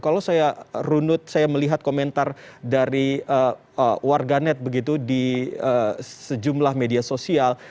kalau saya runut saya melihat komentar dari warganet begitu di sejumlah media sosial